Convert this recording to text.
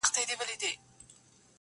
ستا په ډېرو ښایستو کي لویه خدایه,